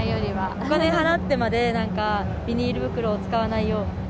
お金払ってまでビニール袋を使わないよう。